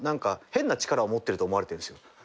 変な力を持ってると思われてるんすよ。